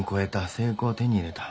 成功を手に入れた。